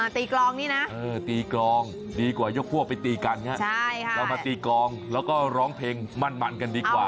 กรองนี่นะตีกรองดีกว่ายกพวกไปตีกันเรามาตีกรองแล้วก็ร้องเพลงมั่นมันกันดีกว่า